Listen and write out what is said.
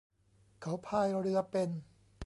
เขาพายเรือเป็น